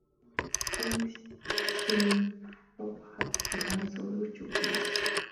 Түүнд чинь хатуу хад чулуунаас өөр юу ч үгүй.